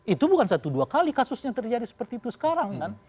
itu bukan satu dua kali kasusnya terjadi seperti itu sekarang kan